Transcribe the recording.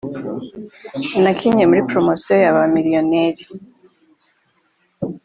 Nakinnye muri poromosiyo ya Ba Miliyoneri